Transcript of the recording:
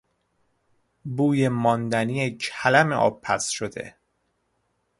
بوی ماندنی کلم آبپزشده